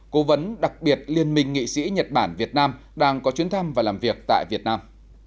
cố vấn đặc biệt liên minh nghị sĩ nhật bản việt nam đang có chuyến thăm và làm việc tại việt nam